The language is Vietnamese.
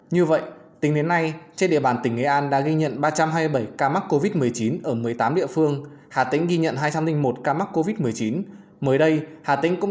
như vậy tính đến nay trên địa bàn tỉnh nghệ an đã ghi nhận ba trăm hai mươi bảy ca mắc covid một mươi chín ở một mươi tám địa phương